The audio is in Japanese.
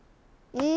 うん？